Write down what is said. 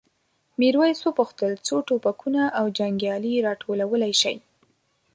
میرويس وپوښتل څو ټوپکونه او جنګیالي راټولولی شئ؟